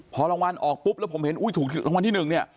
พอรางวัลออกปุ๊บแล้วผมเห็นอุ้ยถูกรางวัลที่๑เนี่ย